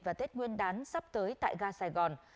và tết nguyên đán sắp tới tại ga sài gòn